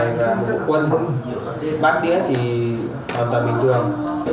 mình phải gồm một cái điện thoại này và một bộ quân bắt đĩa thì hoàn toàn bình thường